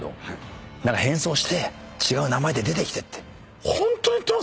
何か変装して違う名前で出てきてって！